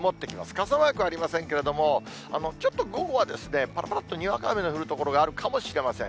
傘マークはありませんけれども、ちょっと午後はぱらぱらっとにわか雨の降る所があるかもしれません。